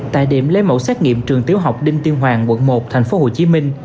tại điểm lấy mẫu xét nghiệm trường tiểu học đinh tiên hoàng quận một tp hcm